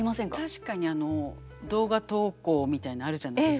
確かに動画投稿みたいなのあるじゃないですか。